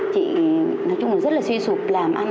chị nói chung là rất là suy sụp làm ăn